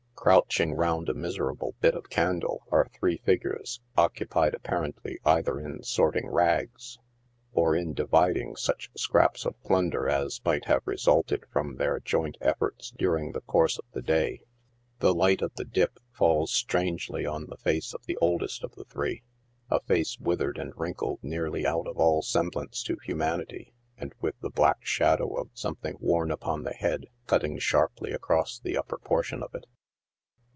Crouching round a miserable bit of candle are three figures, occu pied apparently either in sorting rags or in dividing such scraps of plunder as might have resulted from their joint efforts during the course of the day. The light of the " dip" falls strangely on the face of the oldest of the three — a face withered and wrinkled nearly out of all semblance to humanity, and with the blaet? shadow of something worn upon the head cutting sharply across the upper por tion of it.